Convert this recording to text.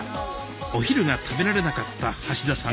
お昼が食べられなかった橋田さん